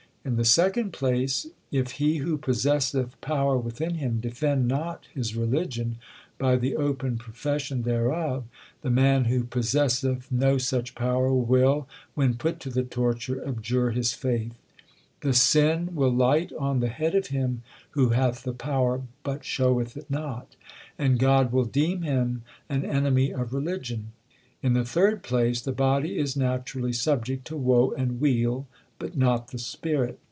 In the second place, if he who possesseth power within him defend not 1 Lakshmi, is here called Kaula (Kamala) or the dweller on the lotus. 2 Marti. LIFE OF GURU ARJAN 95 his religion by the open profession thereof, the man who possesseth no such power will when put to the torture abjure his faith. The sin will light on the head of him who hath the power but showeth it not ; and God will deem him an enemy of religion. In the third place, the body is naturally subject to woe and weal, but not the spirit.